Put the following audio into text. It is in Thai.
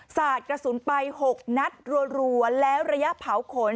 สาดกระสุนไป๖นัดรัวแล้วระยะเผาขน